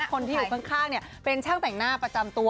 คนที่อยู่ข้างเป็นช่างแต่งหน้าประจำตัว